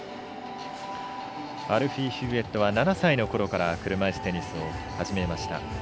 アルフィー・ヒューウェットは７歳のころから車いすテニスを始めました。